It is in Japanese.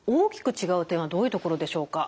違う点はどういうところでしょうか？